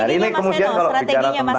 ini kemudian kalau bicara tentang